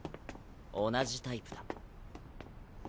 同じタイプだ。